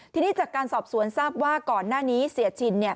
ทีนี้จากการสอบสวนทราบว่าก่อนหน้านี้เสียชินเนี่ย